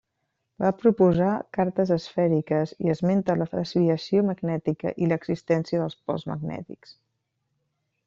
Va proposar cartes esfèriques i esmenta la desviació magnètica i l'existència dels pols magnètics.